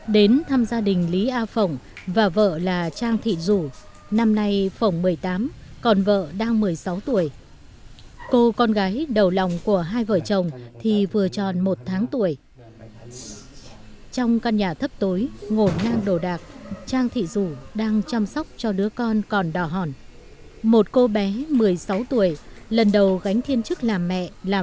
đến thăm gia đình đồng bào đã được diễn ra